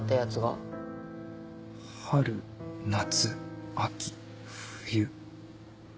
春夏秋冬。